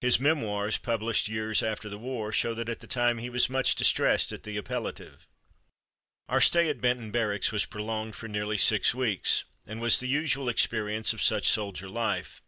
His "Memoirs," published years after the war, show that at the time he was much distressed at the appellative. Our stay at Benton Barracks was prolonged for nearly six weeks, and was the usual experience of such soldier life.